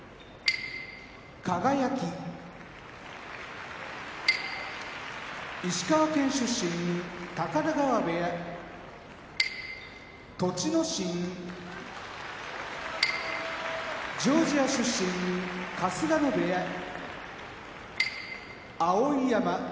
輝石川県出身高田川部屋栃ノ心ジョージア出身春日野部屋碧山ブルガリア出身春日野部屋